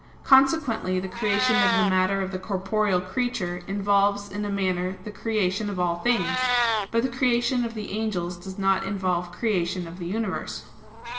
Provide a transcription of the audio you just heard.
Consequently the creation of the matter of the corporeal creature involves in a manner the creation of all things; but the creation of the angels does not involve creation of the universe.